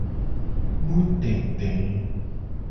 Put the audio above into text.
Nutete.